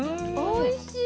おいしい。